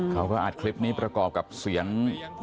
เขาก็อัดคลิปนี้ประกอบกับเสียง